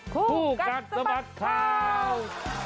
ภูกรัฐสบัดข่าว